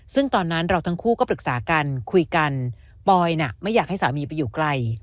ซึ่งตอนนั้นเราทั้งคู่ก็ปรึกษากันคุยกันปอยน่ะไม่อยากให้สามีไปอยู่ไกล